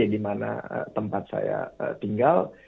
dimana tempat saya tinggal